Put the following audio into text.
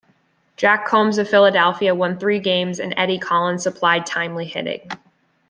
Jack Coombs of Philadelphia won three games and Eddie Collins supplied timely hitting.